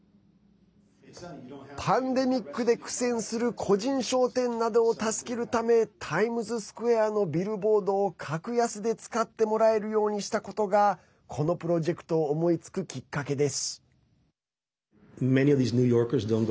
パンデミックで苦戦する個人商店などを助けるためタイムズスクエアのビルボードを格安で使ってもらえるようにしたことがこのプロジェクトを思いつくきっかけです。